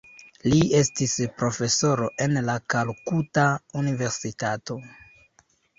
Li estis profesoro en la Kalkuta Universitato.